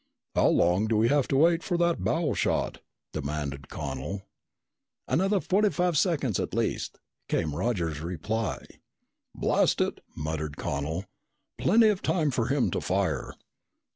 "How long do we have to wait for that bow shot?" demanded Connel. "Another forty five seconds at least!" came Roger's reply. "Blast it!" muttered Connel. "Plenty of time for him to fire."